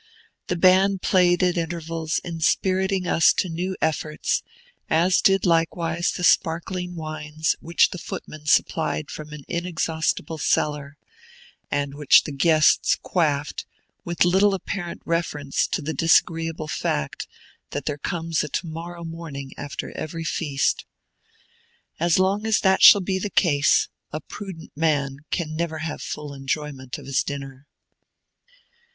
The band played at intervals inspiriting us to new efforts, as did likewise the sparkling wines which the footmen supplied from an inexhaustible cellar, and which the guests quaffed with little apparent reference to the disagreeable fact that there comes a to morrow morning after every feast. As long as that shall be the case, a prudent man can never have full enjoyment of his dinner.